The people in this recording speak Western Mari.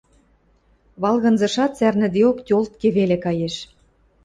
Валгынзышат цӓрнӹдеок тьолтке веле каеш.